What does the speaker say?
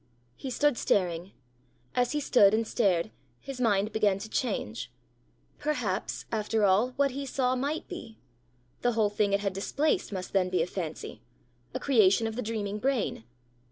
He stood staring. As he stood and stared, his mind began to change: perhaps, after all, what he saw, might be! The whole thing it had displaced must then be a fancy a creation of the dreaming brain!